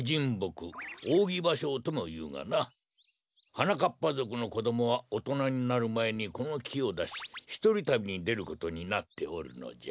はなかっぱぞくのこどもはおとなになるまえにこのきをだしひとりたびにでることになっておるのじゃ。